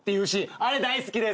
あれ大好きです。